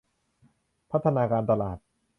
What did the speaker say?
พัฒนาการตลาด